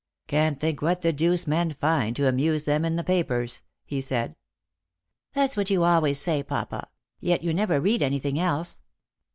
" Can't think what the deuce men find to amuse them in the papers," he said. " That's what you always say, papa; yet you never read any thing else."